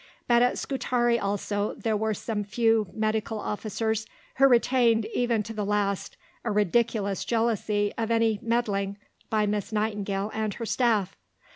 But at Scutari also, there were some few medical officers who retained even to the last a ridiculous jealousy of any "meddling" by Miss Nightingale and her staff.